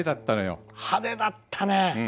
派手だったね。